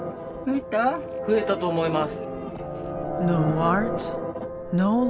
増えたと思います。